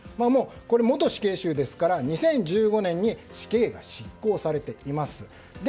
元死刑囚ですから２０１５年に死刑が執行されています。